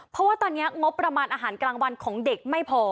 เพราะว่าตอนนี้งบประมาณอาหารกลางวันของเด็กไม่พอ